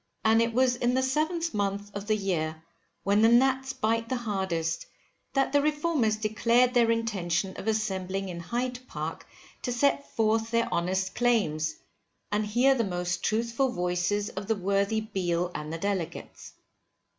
And it was in the 7th month of the year, when the gnats bite the hardest, that the Reformers declared their intention of assembling in Hyde Park to set forth their honest claims, and hear the most truthful voices of the worthy Beale and the Delegates.